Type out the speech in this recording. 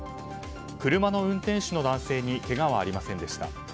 車の運転手の男性にけがはありませんでした。